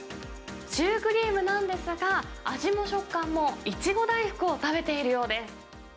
シュークリームなんですが、味も食感もイチゴ大福を食べているようです。